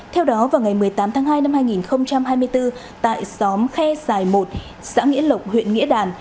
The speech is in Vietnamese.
theo đó vào ngày một mươi tám tháng hai năm hai nghìn hai mươi bốn tại xóm khe sài một xã nghĩa lộc huyện nghĩa đàn